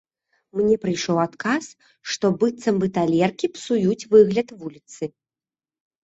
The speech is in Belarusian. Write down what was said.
Мне прыйшоў адказ, што быццам бы талеркі псуюць выгляд вуліцы.